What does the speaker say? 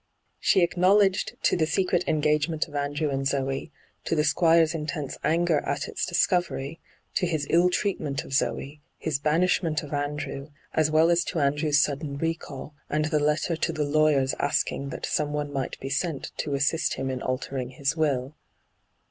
She acknowledged to the secret engagement of Andrew and Zoe, to the Squire's intense anger at its discovery, to his ill treatment of Zoe, his banishment of Andrew, as well as to Andrew's sudden recall, and the letter to the lawyers asking that someone might be sent to assist him in altering his will.